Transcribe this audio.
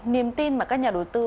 niềm tin mà các nhà đầu tư